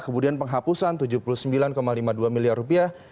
kemudian penghapusan tujuh puluh sembilan lima puluh dua miliar rupiah